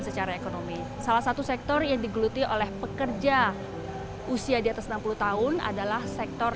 secara ekonomi salah satu sektor yang digeluti oleh pekerja usia di atas enam puluh tahun adalah sektor